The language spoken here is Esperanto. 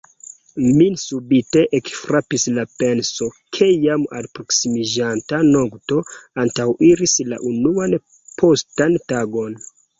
Min subite ekfrapis la penso, ke jam alproksimiĝanta nokto antaŭiris la unuan postan tagon.